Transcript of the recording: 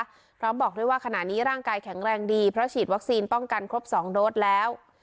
พร้อมบอกด้วยว่าขณะนี้ร่างกายแข็งแรงดีเพราะฉีดวัคซีนป้องกันครบ๒โดสแล้ว